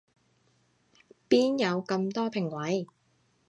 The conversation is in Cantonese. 邊有咁多評委